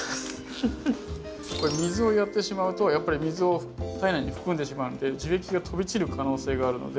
これ水をやってしまうとやっぱり水を体内に含んでしまうので樹液が飛び散る可能性があるので。